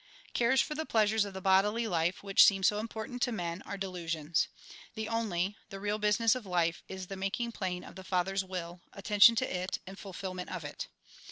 Cares for the pleasures of the bodily life, which seem so important to men, are delusions. The only, the real business of life, is the making plain of the Father's will, attention to it, and fulfilment of it.